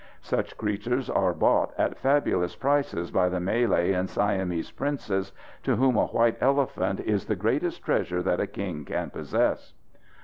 Such creatures are bought at fabulous prices by the Malay and Siamese princes, to whom a white elephant is the greatest treasure that a king can possess.